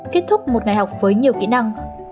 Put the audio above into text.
kết thúc một ngày học với nhiều kỹ năng